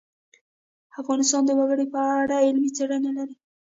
افغانستان د وګړي په اړه علمي څېړنې لري.